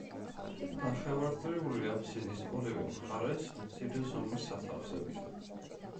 ნახევარწრიული აფსიდის ორივე მხარეს მცირე ზომის სათავსებია.